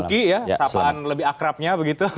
mas kuki ya sahabatan lebih akrabnya begitu